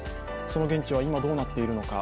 その現地は今、どうなっているのか